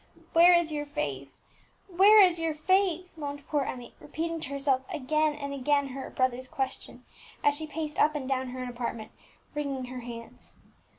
"Where is your faith, where is your faith?" moaned poor Emmie, repeating to herself again and again her brother's question, as she paced up and down her own apartment, wringing her hands.